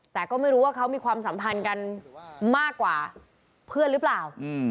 แต่ก็ไม่รู้ว่าเขามีความสัมพันธ์กันมากกว่าเพื่อนหรือเปล่า